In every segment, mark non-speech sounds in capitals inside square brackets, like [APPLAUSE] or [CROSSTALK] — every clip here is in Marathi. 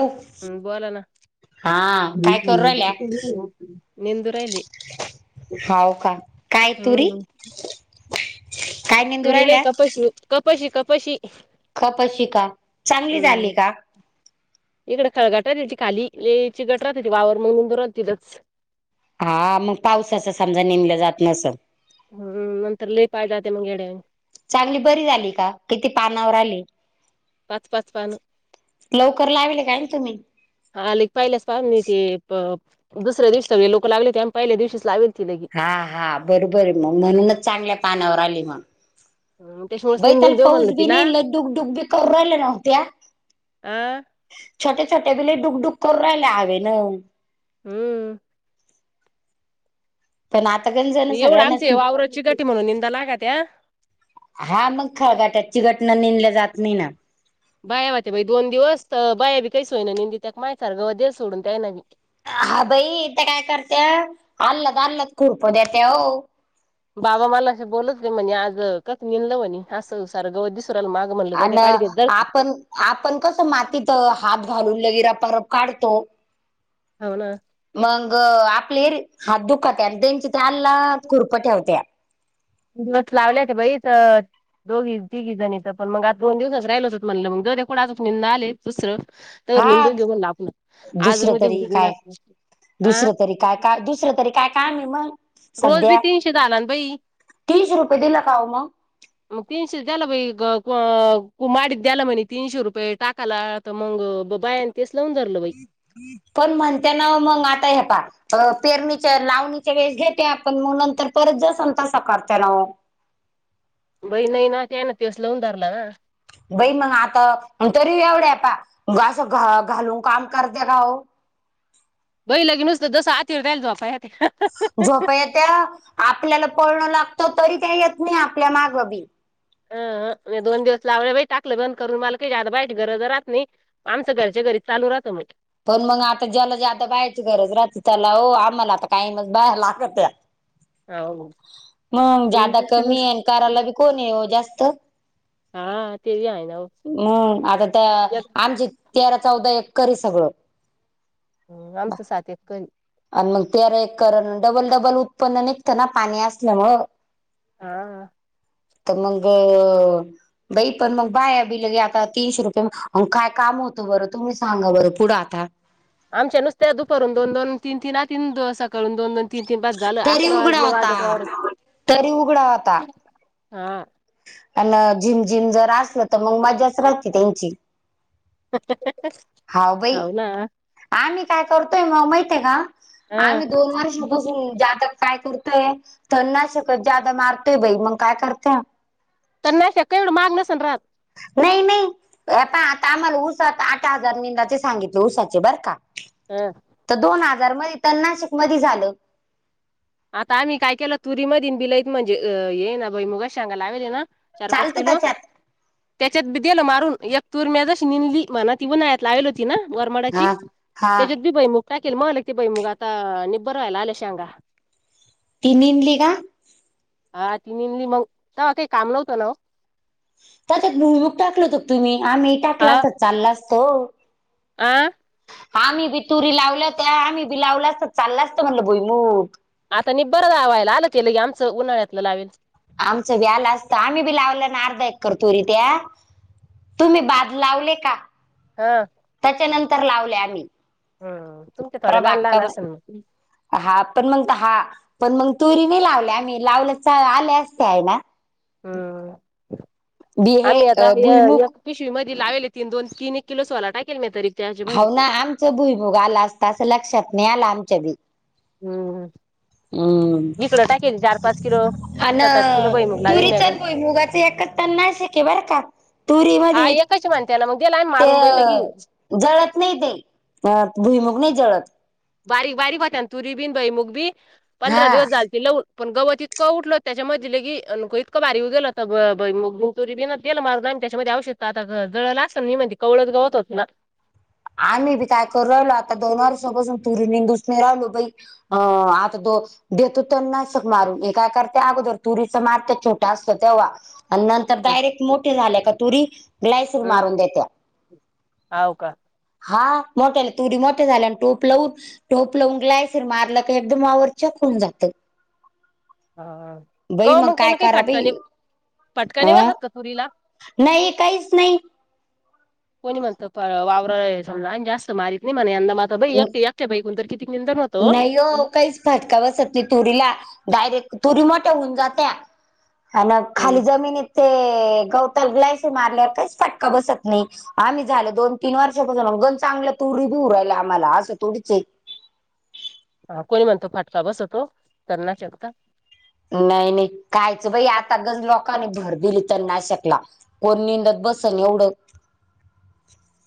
हो हम् बोला ना हा काय करू राहिल्या निंदू राहिली [UNINTELLIGIBLE] हो का काय! तुरी हम्म काय निंदू तुरी नाही राहिल्या का तशी, कपशी कपशी. कपाशी का चांगली झाली का! इकडे खळगट आहे त्याची खाली लय चीगट राहतं ते वावर मनुरच तिच. हा मग पाऊस असं समजा निनलं जात नसं! हम्म, नंतर लय पाय जातं मग येड्यावानी. चांगली बरी झाली का किती पानावर आली पाच पाच पाण लवकर लावेल काय ना तुम्ही आले की पहिल्याच पा नी ते प दुसऱ्या दिवस लोक लागले. ते पहिल्या दिवशीच लावे ती लगे हा हा बरोबर मग म्हणूनच चांगल्या पानावर आली मग.... रोनटेश्वर.... बाई त्याला पाऊस बी नाही लई डुब डुग बी करू राहिल्या नव्ह त्या.... आहं.... छोटे छोटे पिल्ले डुकडुक करू राहिले हवे नं.... हम्म.... पण आता गंज..... एवढं आमची वावराची गटी म्हणून निंदा लागत्या. हा मग खळगाट्यात चिगट नंनिनला जात नाही ना... बाया होत्या बाई दोन दिवस तर बाया बी काही सोयना नंदी त्या माय सार गवत दे सोडून त्याना मी.... हा बाई इथे काय करते आलत आलत खुरप देते. हो... बाबा मला अस बोलत गे म्हणे आज कास निललं म्हणे असं सार गवत दिसू राल मागं..... म्हणलं जाऊ दे आणं, काढी देत दर आपण, आपण कसं मातीत हात घालून लगेच रपारप काढतो.... हो ना.... मग आपले हात दुखत्यात आणि त्यांची त्या अल्ला खुरप ठेवते..... दिवस लावल्यात बाई इथं... दोघी तिघी जणीचं पण मग आज दोन दिवसच राहिलच हो म्हणलं मग द दे कोच निंद आले. दुसरं...... तर हा निदून घेऊन लापलं आजून दुसरं म तरी उलणार.... दुसऱ्या तरी.... काय काम आणि मग रोज बी सध्या, तीनशे झाला ना बाई तीनशे रुपये दिल का ओ मग...... मग तीनशे द्याला बाई, माडीत द्याला म्हनं तीनशे रुपये टाकायला..... तर मग बायांचीच लावून धरलं बघ.... पण म्हणते ना मग आता हे पहा... अ पेरणीच्या लावणीच्या वेळीस घेते आपण म्हणून तर परत जसन तसं काडतय नवं..... बई नाही ना ते ना दिवस लवून धरला ना.... बई मग आता तरी एवढ्या पा असं घा, घालून काम करत्या का ओ..... बई लगेच नुसतं जसं आतिल राहायला जाय पाय हं.... झोप त्या आपल्याला पळणं लागत तरी त्या येत नाही. आपल्या माग बी... अ दोन दिवस लावले बाई टाकलं बंद करून मला का आता बाईट घर राहात नाही.... आमचं घरच्या घरी चालू राहतं मट.. पण मग आता ज्याला जादा बाहायची गरज रात त्याला आम्हाला आता काही मग बाया लागते... [UNINTELLIGIBLE] या औ.... हो जागा कमी आहे. आणि करायला बी कोण नाही ओ जास्त.... हा ते बी आहे ना ओ हम आता तर आमचे... तेरा चौदा एकर हाय सगळं.... आमचं सात एकर आहे... आणि मग तेरा एकर डबल डबल उत्पन्न निघतं ना पाणी असल्यावर.... हा हां.... तर मगं.... बाई पण मग बाया बिलेल आता तीनशे रुपये काय काम होतो बरं. तुम्ही सांगा बरं पुढं आता..... आमच्या नुसत्या दुपारू दोन दोन तीन तीन आती... करून दोन दोन तीन तीन तास झालं तरी अकरा उघडा वाजले होता व्याजाच्या वावरात.... तरी उघडा होता हा आणि झिम झिम जर असल तर मग मजाच राहते. त्यांची... हा बाई हाव ना आम्ही काय करतोय मग माहित आहे का? हा आम्ही दोन वर्षांपासून ज्यादा..... काय करतोय, तणनाशक ज्यादा मारतोय बाई मग काय करतोय? तणनाशक नाही शक्य एवढं महाग नसल राहात.... नाही मी हे पहा आता आम्हाला ऊस आता आठ हजार नेंदाचे सांगितले ऊसाचे बरं का.... [UNINTELLIGIBLE] तर दोन हजार मध्ये तर नाशिक मधी झालं. आता आम्ही काय केलं तुरी मधी बि लाईत म्हणजे अ ये ना भुईमुगाच्या शेंगा लावेल्या ना चार पाच चालतं किलो, त्याच्यात. त्याच्यात बी देलं मारून एक तूर म्यादशी मिनली म्हणा ती उन्हाळ्यात लावली होती ना वरमाडाची हा हा. त्याच्यात बी भयमुग टाकेल म आलं की बाई म आता भरायला आल्या शेगा. इन्मिली का? हा निदली मग तवा काय काम न्हवत ना ओ. त्यात एक भुईमूग टाकलं होत का तुम्ही आम्ही टाकला असता चालला असतो ओ. आं? आम्ही बी तुरी लावल्या होत्या आम्ही बी लावलं असत चाललं असत म्हटलं भुईमूग. आता निंबार लावायला आलं केलंय आमचं उन्हाळ्यातल लावेल. आमचं बी आलं असतं आम्ही बी लावल्या ना अर्धा एकर तुरी त्यां. तुम्ही भात लावले का? हा! त्याच्यानंतर लावले आम्ही. हम्म तुमच्या थोड्या प्रभा लहान लहान असेल मग अक्का हा पण मग हा पण मग तुरी नाही लावल्या आम्ही लावल्या आल्या असत्या हाय ना? हम्म बी आम्ही आता हे य भुईमुग एक पिशवी मध्ये लावले ती दोन तीन एक किलो सोलाय टाकेल मी तरी. त्याच्या मध्ये हावं ना आमच भुईमुग आला असता असं लक्षात नाही आला आमच्या बी. हम्म! हम्म, इकडं टाकेल चार पाच किलो सात आठ किलो आणं भईमुग लावेल म्या तुरीच गण आणि भुईमुगाच एकच तणनाशक हाय बर का तुरी हा मध्ये एकच म्हणते ना मग दिला आम्ही ते मारून बाई लगी जळत नाही ते अ भुईमुग नाही जळत. बारीक बारीक होत्या तुरीन बि बहिमूक बी पंधरा हा दिवस झालते लऊन पण गवत इतकं उठल त्याच्या मधी लगी इतक भारी येऊ गेलत तरी बी ना तेला मार जाय आणि त्याच्यामध्ये आवशषध आता जळल असत मी म्हणते कवळत गवत होते ना. आम्ही बी काय करू राहिलो आता दोन वर्षा पासून तुरी निंदुसणे राहिलो बाई. ह आता तो देतो त्यांना तण नाशक मारून हे काय करते अगोदर तुरीच मारत्या छोट्या असतं तेव्हा आणि नंतर आता हम्म डायरेक्ट मोठी झाल्या का तुरी ग्लायसिर मारून देत्या. हव का? हा मोठ्याला तुरी मोठ्या झाल्या आणि टोपल लावून टोप लावून ग्लायसिर मारलं का एकदम वावर चक होऊन जातं. हा तो बाई मग म काय त्यान काही करा फटका बाई नाय का नाय फटका बसत नाय अ बसत काय तुरीला? नाही काहीच नाही. कोणी म्हणत वावर समजा आणि जास्त मारत नाही म्हणे यंदा मारता एकटे कोण तर किती नाही ओ काहीच फटका बसत नाही तुरीला डायरेक्ट तुरी मोठ्या होऊन जातिया. अन खाली हम्म. जमिनीत ते गवताला ग्लायसिर मारल्यावर काहीच फटका बसत नाही. आम्ही झालं दोन तीन वर्षापासून एकदम चांगलं तुरी बी होऊ राहिल आम्हाला असं थोडीच आहे. हा कोणी म्हणतो फाटका बसतो तण नाशकचा. नाही नाही कायच बाई आता गच लोकांनी भर दिली तर तणनाशकला. कोण निंदत बसन एवढं?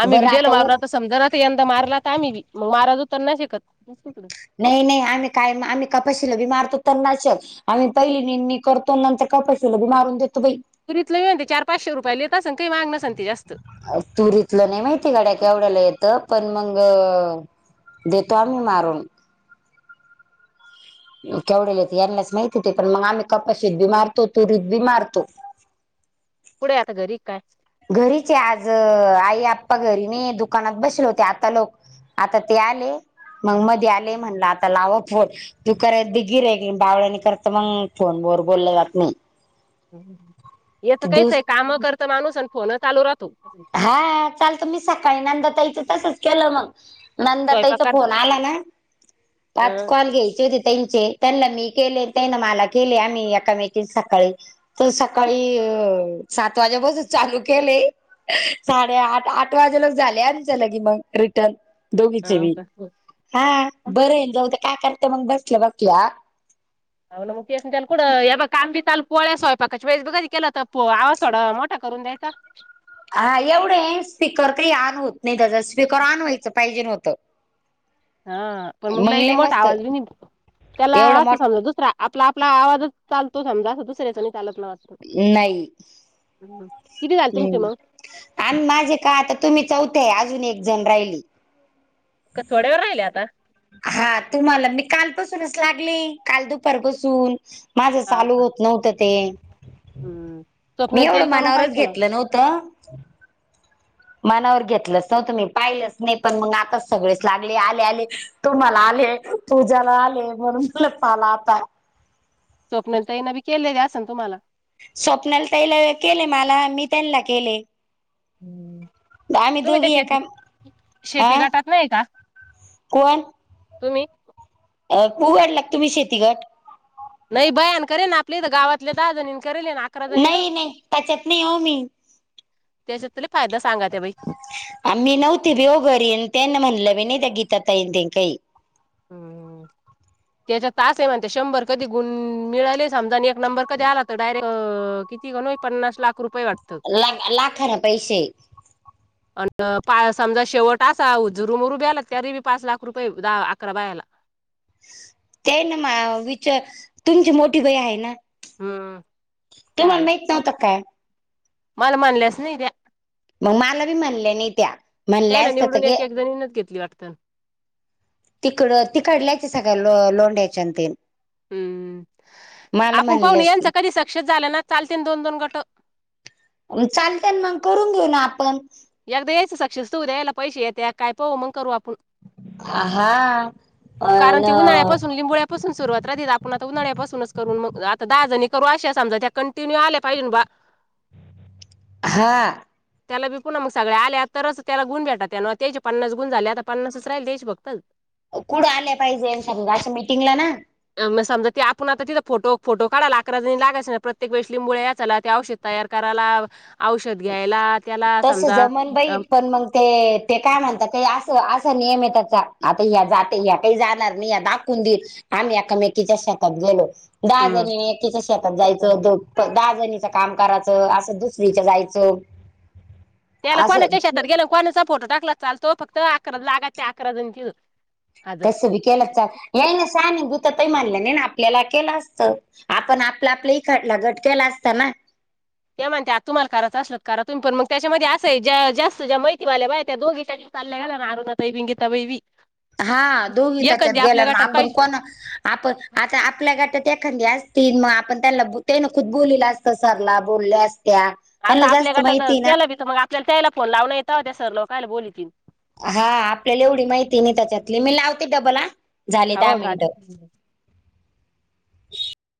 आम्ही बी बरं केलं आता उ वावरात समजा ना यंदा मारला तर आम्ही मग मारायचो तण नाशिकच. नाही नाही आम्ही काय आम्ही कपाशीला बी मारतो तन नाशक. आम्ही पहिली नेमणी करतो नंतर कपशीला बी मारून देतो बाई. तुरीतलं ते चार पाचशे ला येत असन काही महाग नसणं ते जास्त. तुरीतलं नाही माहिती गड्या केवढ्याला येतं. पण मग देतो आम्ही मारून. केवढले यांनाच माहिती पण मग आम्ही कपाशीत बी मारतो तुरीत बी मारतो. कुठे आता घरी काय. घरीचे आज आई आप्पा घरी नाही दुकानात बसले होते आता लोक आता ते आले मग मध्ये आले म्हणलं आता लाव फोन. तू करय गिर बावळनी करत मग फोन वर बोललं जात नाही. ये तर काहीच दिवस आहे काम करत माणूस आणि फोन चालू राहतू. हा चालत मी सकाळी नांदातयचं तसच केलं मग नंदा स्वयंपाक त्याचा कर फोन आला ना पाच कॉल घ्यायचे होती. त्यांचे त्यांना मी केले त्यांना मला केले आम्ही याकामेट सकाळी. तर सकाळी सात वाज्या बाासून चालू केले. साडे आठ आठ वाजे लग झालेच्या ल की मग रिटर्न. दोघीचे वी हा बरे येल जाऊद काय करते मग बसलं बसल्या. ंतेचघ काम बी ल पोळ्या सोयपाका वेस बघा केलं तर आवाज थोडा मोठा करून द्यायचा. हा एवढे स्पीकर तरी ऑन होत नाही त्याच स्पीकर ऑन व्हायचं पाहिजे नव्हतं. हा पण मग ल बी मोठा आवाज ब नितो त्याला एवढं असं मोठ समजा दुसरा आपला आपला आवाजच चालतो समजा असं दुसऱ्याचा चालत नाही वाटत. नाही. हम्. हम्म आणि माझे का आता तुम्ही चौथेय अजून एक जण राहिली कठवड्यावर राहिले आता. हा तुम्हाला मी कालपासूनच लागले काल दुपारपसून. माझं हाव चालू का? होत नव्हतं ते हम्म मी स्वप्नेल ताईला एवढं करून मनावरच पाहिजे ना घेतलं नव्हतं. मनावर घेतलंच नव्हत मी पाहिलंच नाही पण मग आताच सगळेच लागले आले आले. तू मला आले तूज्याला आले म्हणून तु लपपाला आता. स्वप्नालीतईनाी केलेले असे ना तुम्हाला. स्वप्नाला ताईला त्याला केले मला मी त्यांना केले. हम्म. आम्ही तुम्ही त्या दोघी शेती एकात आ. शेती गटात नाही का कोण. तुम्ही. उघडला का तुम्ही शेतीगट नाही बयान करे ना आपले तर गावातल्या दहाजणी करेल मग नाही नाही त्याच्यात नाही हो मी. त्याच्यात तरी फायदा सांगा त्या बाई. आम्ही नव्हती बेवघरी आणि त्यांना म्हणलं भ नाही त्या गीता ताईन ते काही. [INAUDIBLE] त्याच्या तास आहे म्हणत शंभर कधी गुण मिळाले समजा आणि एक नंबर कधी आला तर डायरेक्ट. तीनो पन्नास लाख रुपये वाटतं ला लाखर पैसे. अ पा समजा शेवट असा उ जरुमरू ब्याला त्यारी बी पाच लाख रुपये द अकरा बायाला. ते ना म विच तुमची मोठी भाई आहे ना. हम्म ते तू म्हण आहे मात नव्हत काय. मला म्हनल्यास नाही त्या मग मला बी म्हणलं नाही त्या. त्या म्हणल्या ना असत तर निवडून की एक एक जणीच घेतली वाटतल. तिकड तिकडल्यायच सगळ्या ल लोंड्यायच्या तेन. हम्म आपण पाहन म्हणल्यास की यांचं कधी सक्सेस झालं ना चालते ना दोन दोन गट. चालत मग करून घेऊ ना आपण. यगद्या याचं सक्षिस तू उदयाला पैसे येते काय पो मग करू आपण हा आ न. पसून सुरुवात रादे आपण आता उन्हाळ्यापासूनच करून म आता दहा जणी करू अशा समजा त्या कंटिन्यू आल्या पाहिजेन बा. हा. त्यालाबी पूना म सगळ्या आल्या तरच त्याला गुण भेटात त्याना तेचे पन्नास गुण झाले आता पन्नासच राहिले तेचे बग तल. कुठं आल्या पाहिजे समजा आसं मिटिंगला ना? आनं म समजा ते आपण आता तिथं फोटो फोटो काढाला आकराजणी लागसं ना प्रत्येक वेळीस लिंबोळ्या चला ते औशध तयार करायला, औषध घ्यायला. त्याला तसं समजा जमनबाई अं पण मंग. ते ते काय म्हणताते आस आसा नियम आहे त्याचा आता ह्या जाते ह्या काही जाणार मी या दाखवून देईल. आम्ही एकामेकीच्या शेतात गेलो दहा हम्म जणीनी एकीच्या शेतात जायचं जोड. दहा जणीच काम करायचं असं दुसरीच जायचं. त्याला असं कोनाच्या शेतात गेल्याव कोणाचा फोटो टाकला चालतो फक्त आकरा लागा त्या अकरा जण किहो. तसं बी केलं चाल नाई ना साने भूता ताई म्हणाल्या नाय ना आपल्याला केला आसतं. आपण आपलं आपलंही खाटला गट केला असत ना. ते म्हनत्यात तुम्हालं कराचं आसल करा तुमी पण मग त्याच्यामध्ये आसं आहे ज्या जास्त ज्या माहिती वाल्या बाया त्या दोघीतरी. चालल्या गला आरुना ताई विंगिता वैवी. हां दोघी त्याच्यात गेल्या ना आपन पाहिजे कोना आपण आता आपल्या गटात एखांदी आसती म आपण त्यानला बो ते न खुद बोललेलं असतं सरला बोलल्या आस त्या. आता आपल्या गटाचं केला भी त म आपल्याला त्यायला फोन लावलं येता त्या सरलं कयाला बोलली तिनं. हा आपल्याला एवढी माहिती नाही त्याच्यातली मी लावते डबला. हाव काय नाय.